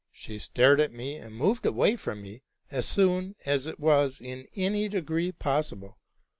She stared at me, and moved away from me as soon as it was in any degree possible.